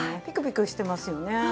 ピクピクしてますよね。